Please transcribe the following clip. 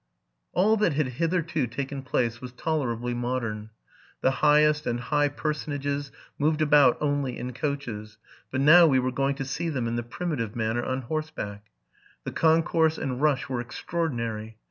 All that had hitherto taken place was tolerably modern : the highest and high personages moved about only in coaches, but now we were going to see them in the prim itive manner on horseback. 'The concourse and rush were extraordinary.